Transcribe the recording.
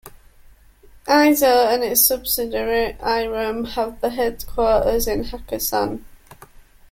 Eizo and its subsidiary, Irem, have their headquarters in Hakusan.